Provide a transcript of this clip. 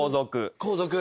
皇族。